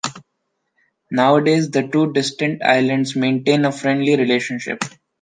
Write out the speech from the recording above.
Nowadays, the two distant islands maintain a friendly relationship.